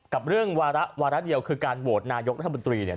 กับเรื่องวาระวาระเดียวคือการโหวตนายกรัฐมนตรีเนี่ย